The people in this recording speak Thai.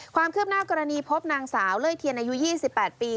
ความคืบหน้ากรณีพบนางสาวเล่ยเทียนอายุ๒๘ปี